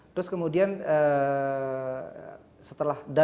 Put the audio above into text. terus kemudian setelah dananya ditahan